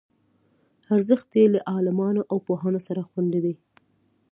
ارزښت یې له عالمانو او پوهانو سره خوندي دی.